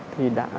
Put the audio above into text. thì đã là